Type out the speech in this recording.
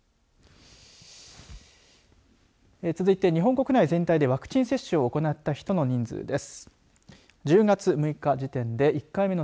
続いて日本国内全体でワクチン接種を行った人の人数です。